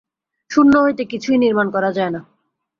শূন্য হইতে কিছুই নির্মাণ করা যায় না।